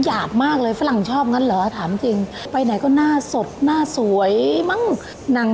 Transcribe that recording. ดูหนังกันดูหนัง